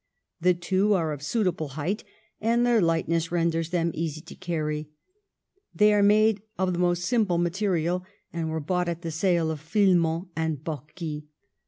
The two are of suitable height and their light ness renders them easy to carry. They are made of the most simple material, and were bought at the sale of Philemon and Baucis."